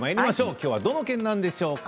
きょうはどの県なんでしょうか。